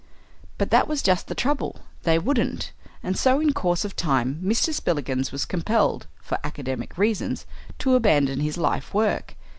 But that was just the trouble they wouldn't. And so in course of time Mr. Spillikins was compelled, for academic reasons, to abandon his life work.